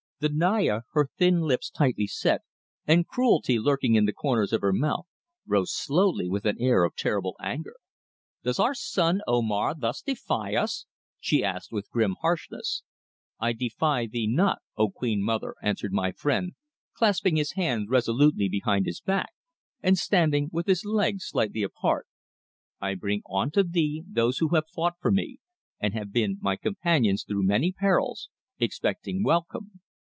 The Naya, her thin lips tightly set and cruelty lurking in the corners of her mouth, rose slowly with an air of terrible anger. "Does our son Omar thus defy us?" she asked with grim harshness. "I defy thee not O queen mother," answered my friend, clasping his hands resolutely behind his back, and standing with his legs slightly apart. "I bring unto thee those who have fought for me, and have been my companions through many perils, expecting welcome.